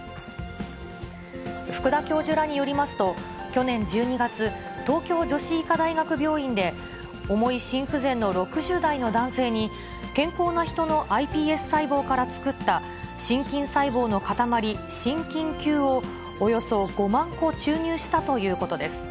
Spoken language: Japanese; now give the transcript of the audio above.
福田教授らによりますと、去年１２月、東京女子医科大学病院で、重い心不全の６０代の男性に、健康な人のｉＰＳ細胞から作った心筋細胞の塊、心筋球をおよそ５万個注入したということです。